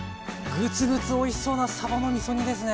グツグツおいしそうなさばのみそ煮ですね。